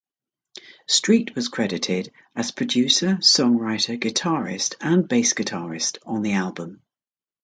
Street was credited as producer, songwriter, guitarist, and bass guitarist on the album.